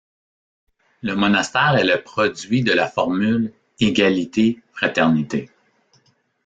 Le monastère est le produit de la formule: Égalité, Fraternité.